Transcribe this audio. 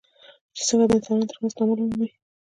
چې څنګه د انسانانو ترمنځ تعامل ومومي.